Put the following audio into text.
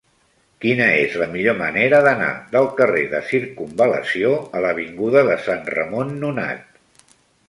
Quina és la millor manera d'anar del carrer de Circumval·lació a l'avinguda de Sant Ramon Nonat?